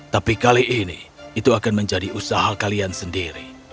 tapi kali ini itu akan menjadi usaha kalian sendiri